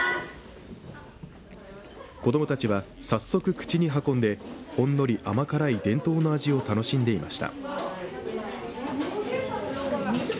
子どもたちは早速、口に運んでほんのり甘辛い伝統の味を楽しんでいました。